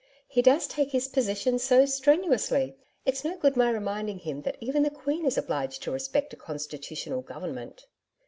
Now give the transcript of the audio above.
He does take his position so strenuously; it's no good my reminding him that even the Queen is obliged to respect a Constitutional government.'